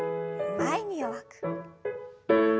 前に弱く。